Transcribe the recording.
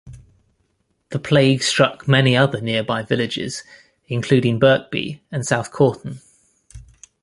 The plague struck many other nearby villages including Birkby and South Cowton.